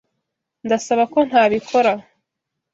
Ndasaba ko ntabikora.